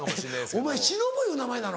お前忍いう名前なの。